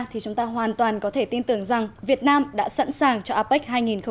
thì chúng ta hoàn toàn có thể tin tưởng rằng việt nam đã sẵn sàng cho apec hai nghìn hai mươi